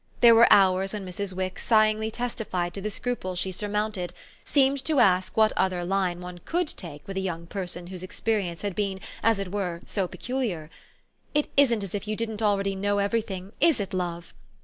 There were hours when Mrs. Wix sighingly testified to the scruples she surmounted, seemed to ask what other line one COULD take with a young person whose experience had been, as it were, so peculiar. "It isn't as if you didn't already know everything, is it, love?"